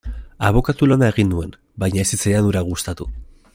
Abokatu lana egin nuen, baina ez zitzaidan hura gustatu.